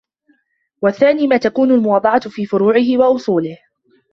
وَالثَّانِي مَا تَكُونُ الْمُوَاضَعَةُ فِي فُرُوعِهِ وَأُصُولِهِ